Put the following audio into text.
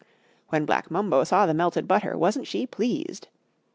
When Black Mumbo saw the melted butter, wasn't she pleased!